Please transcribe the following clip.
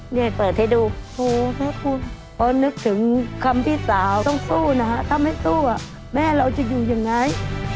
นี่เปิดให้ดูเพราะนึกถึงคำพี่สาวต้องสู้นะฮะถ้าไม่สู้แม่เราจะอยู่ยังไง